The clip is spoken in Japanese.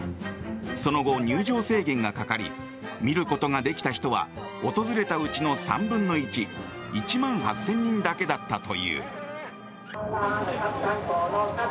その後、入場制限がかかり見ることができた人は訪れたうちの３分の１１万８０００人だけだったという。